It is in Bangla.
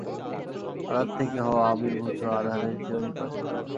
আঁধার থেকে হও আবির্ভূত, আঁধারের চেয়েও নিকষ কালো।